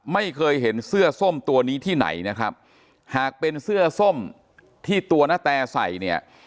ไม่เคยเห็นเสื้อส้มตัวนี้ที่ไหนนะครับหากเป็นเสื้อส้มที่ตัวนาแตใส่เนี่ย